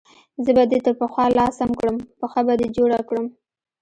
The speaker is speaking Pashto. زه به دې تر پخوا لا سم کړم، پښه به دې جوړه کړم.